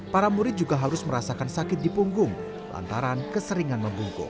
para murid juga harus merasakan sakit di punggung lantaran keseringan membungkuk